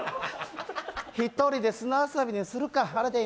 一人で砂遊びでもするか。